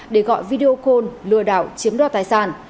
để gọi video call lừa đảo chiếm đoạt tài sản